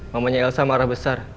mamanya elsa marah besar